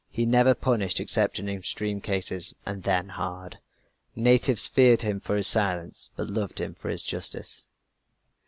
He never punished except in extreme cases, and then hard. Natives feared him for his silence, but loved him for his justice."